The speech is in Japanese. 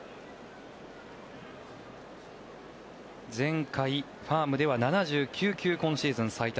前回、ファームでは７９球今シーズン最多。